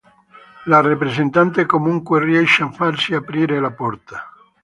La rappresentante comunque riesce a farsi aprire la porta.